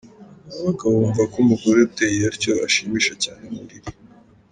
Abagabo bumva ko umugore uteye atyo ashimisha cyane mu buriri.